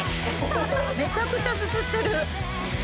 めちゃくちゃすすってる。